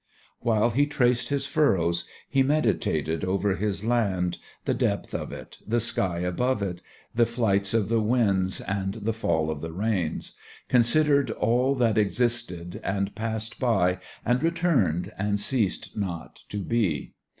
While he traced his furrows, he meditated over his land, the depth of it, the sky above it, the flights of the winds and the fall of the rains; considered all that existed and passed by and returned and ceased not to be.